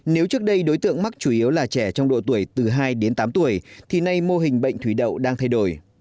nếu trước đây đối tượng mắc chủ yếu là trẻ trong độ tuổi từ hai đến tám tuổi thì nay mô hình bệnh thủy đậu đang thay đổi